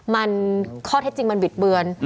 มันข้อเท็จจริงมันบิดเบือน